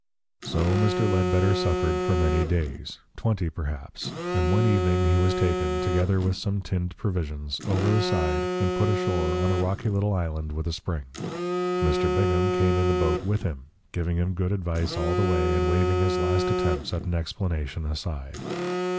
So Mr. Ledbetter suffered for many days, twenty perhaps; and one evening he was taken, together with some tinned provisions, over the side and put ashore on a rocky little island with a spring. Mr. Bingham came in the boat with him, giving him good advice all the way, and waving his last attempts at an explanation aside.